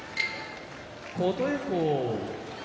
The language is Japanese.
琴恵光